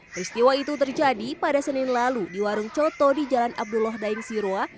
peristiwa itu terjadi pada senin lalu di warung coto di jalan abdullah daeng siroa